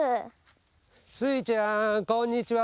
スイちゃんこんにちは。